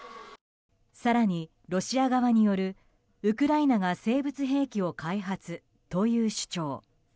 更に、ロシア側によるウクライナが生物兵器を開発という主張。